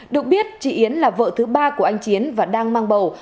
được biết chị yến là vợ thứ ba của anh chiến và đang mang bầu